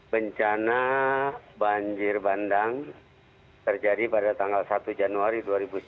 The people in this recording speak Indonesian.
bencana banjir bandang terjadi pada tanggal satu januari dua ribu sembilan belas